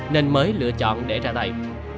nên mới lựa chọn để ra tay